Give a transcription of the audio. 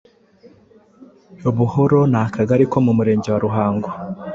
Buhoro ni akagali ko mu murenge wa Ruhango